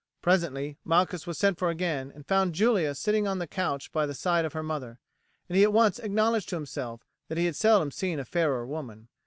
Presently Malchus was sent for again, and found Julia sitting on the couch by the side of her mother, and he at once acknowledged to himself that he had seldom seen a fairer woman.